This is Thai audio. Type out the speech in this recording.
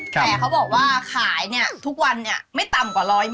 แต่เขาบอกว่าขายเนี่ยทุกวันเนี่ยไม่ต่ำกว่า๑๐๐